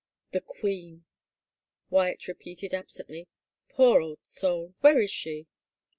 ;" The queen," Wyatt repeated absently. " Poor old soul, where is she